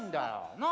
なあ？